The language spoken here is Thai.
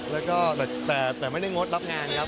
แล้วก็แต่ไม่ได้งดรับงานครับ